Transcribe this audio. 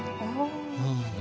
うん。